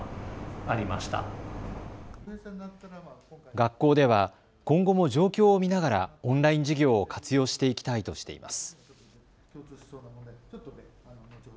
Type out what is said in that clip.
学校では今後も状況を見ながらオンライン授業を活用していきたいとしています。